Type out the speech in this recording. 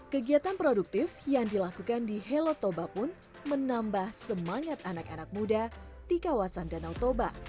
kegiatan produktif yang dilakukan di helotoba pun menambah semangat anak anak muda di kawasan danau toba